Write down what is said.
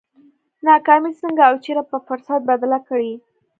ناکامي څنګه او چېرې پر فرصت بدله کړي؟